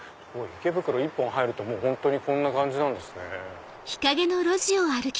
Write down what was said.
池袋一本入ると本当にこんな感じなんですね。